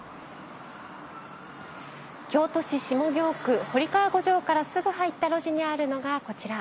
京都市下京区堀川五条からすぐ入った路地にあるのがこちら。